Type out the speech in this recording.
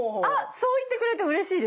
そう言ってくれてうれしいです。